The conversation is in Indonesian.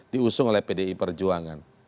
diusung oleh pdi perjuangan